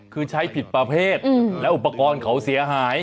คือใช้ผิดประเภทแล้วอุปกรณ์เขาเสียหาย